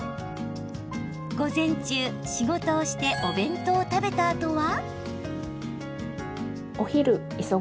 午前中、仕事をしてお弁当を食べたあとは？